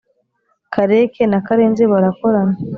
kareke na karenzi barakorana